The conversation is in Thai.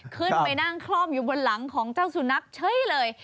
ขึ้นไปนั่งคล่อมอยู่บนหลังของเจ้าสุนัขเฉยเลย